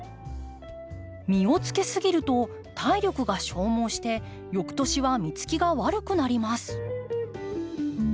実をつけすぎると体力が消耗して翌年は実つきが悪くなります。